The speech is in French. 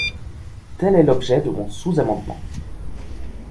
Tel est l’objet de mon sous-amendement.